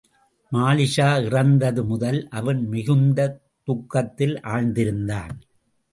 மாலிக்ஷா இறந்தது முதல் அவன் மிகுந்த துக்கத்தில் ஆழ்ந்திருந்தான்.